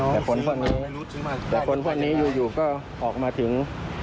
แต่คนพวกนี้แต่คนพวกนี้อยู่ก็ออกมาถึง